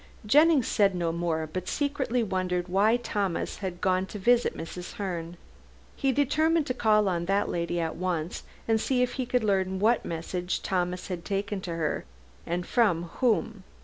Jennings said no more, but secretly wondered why Thomas had gone to visit Mrs. Herne. He determined to call on that lady at once and see if he could learn what message Thomas had taken her and from whom.